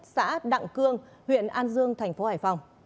xã đặng cương huyện an dương thành phố hải phòng